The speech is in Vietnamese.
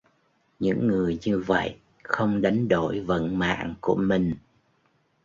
Những người như vậy không đánh đổi vận mạng của mình